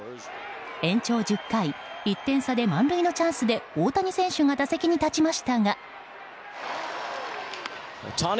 延長１０回１点差で満塁のチャンスで大谷選手が打席に立ちましたが。